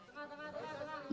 tengah tengah tengah